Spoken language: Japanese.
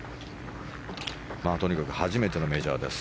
とにかく初めてのメジャーです。